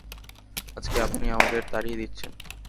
আজকে আপনি আমাদের তাড়িয়ে দিচ্ছেন।